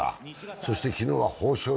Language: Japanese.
そして昨日は豊昇龍